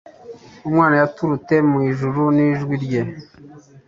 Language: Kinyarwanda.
Umwana yaturute mu Ijuru nijwi rya e